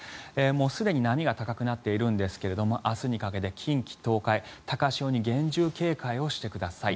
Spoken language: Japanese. すでに波が高くなっているんですが明日にかけて近畿、東海高潮に厳重警戒をしてください。